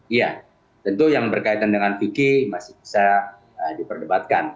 iya tentu yang berkaitan dengan fikir masih bisa diperdebatkan